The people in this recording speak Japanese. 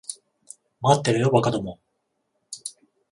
待ってろよ、馬鹿ども。